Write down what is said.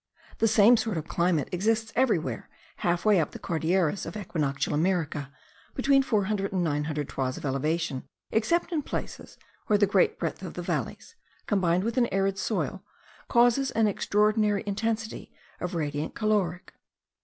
The same sort of climate exists everywhere, halfway up the Cordilleras of equinoctial America, between four hundred and nine hundred toises of elevation, except in places where the great breadth of the valleys, combined with an arid soil, causes an extraordinary intensity* of radiant caloric.